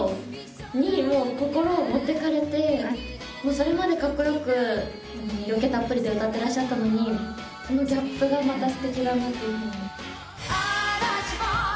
それまで格好良く色気たっぷりで歌ってらっしゃったのにそのギャップがまた素敵だなという風に。